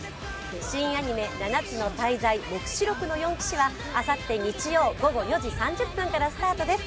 新アニメ「七つの大罪黙示録の四騎士」はあさって日曜午後４時３０分からスタートです。